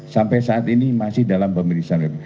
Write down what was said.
sampai saat ini masih dalam pemeriksaan